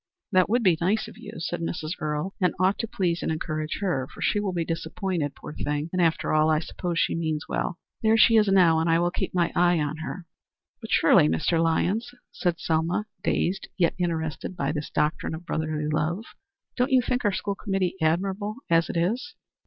"That would be nice of you," said Mrs. Earle, "and ought to please and encourage her, for she will be disappointed, poor thing, and after all I suppose she means well. There she is now, and I will keep my eye on her." "But surely, Mr. Lyons," said Selma, dazed yet interested by this doctrine of brotherly love, "don't you think our school committee admirable as it is?"